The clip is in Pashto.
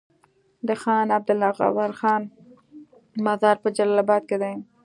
د خان عبدالغفار خان مزار په جلال اباد کی دی